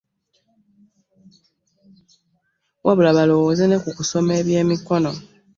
Wabula balowooze ne ku kusoma ebyemikono